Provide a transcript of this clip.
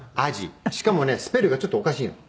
しかもねスペルがちょっとおかしいの。